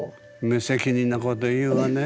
無責任なこと言うわね。